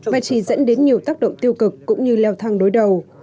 và chỉ dẫn đến nhiều tác động tiêu cực cũng như leo thang đối đầu